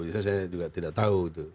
saya juga tidak tahu